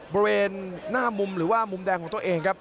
บริเวณหน้ามุมหรือว่ามุมแดงของตัวเองครับ